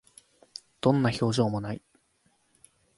どんな表情も無い